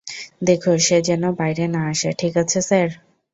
দেখো সে যেন বাইরে না আসে, - ঠিক আছে স্যার।